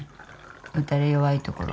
打たれ弱いところ。